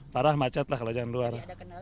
parah macet lah kalau yang luar